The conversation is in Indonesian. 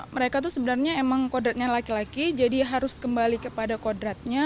mereka tuh sebenarnya emang kodratnya laki laki jadi harus kembali kepada kodratnya